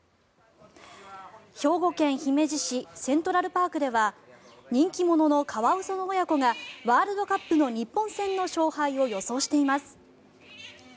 兵庫県姫路市セントラルパークでは人気者のカワウソの親子がワールドカップの日本戦の勝敗を予想しています。